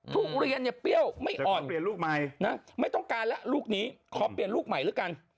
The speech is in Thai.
ทุเรียนเนี่ยเปรี้ยวไม่อ่อนไม่ต้องการละลูกนี้ขอเปลี่ยนลูกใหม่แล้วกัน